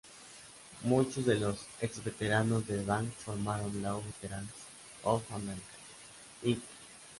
Muchos de los ex veteranos de Vang formaron Lao Veterans of America, Inc.